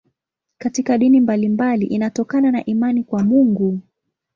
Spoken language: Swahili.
Katika dini mbalimbali inatokana na imani kwa Mungu.